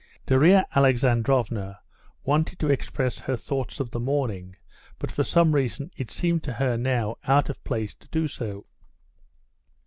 Darya Alexandrovna wanted to express her thoughts of the morning, but for some reason it seemed to her now out of place to do so.